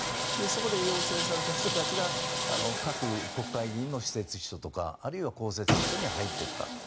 そこで要請された人たちが各国会議員の私設秘書とかあるいは公設秘書に入っていったと。